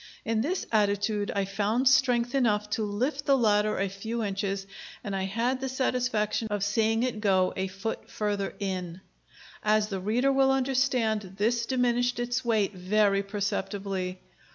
In this attitude I found strength enough to lift the ladder a few inches, and I had the satisfaction of seeing it go a foot further in. As the reader will understand, this diminished its weight very perceptibly.